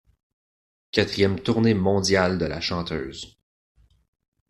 Quatrième tournée mondiale de la chanteuse.